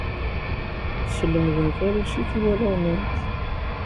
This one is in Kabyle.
Teslemdem tarusit i warraw-nwent.